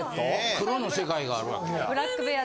黒の世界がある訳や。